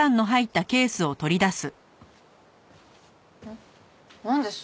ん？なんです？